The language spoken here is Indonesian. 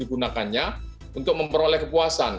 menggunakannya untuk memperoleh kepuasan